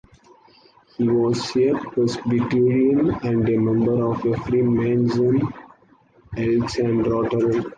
He was a Presbyterian and a member of the Freemasons, Elks and Rotary.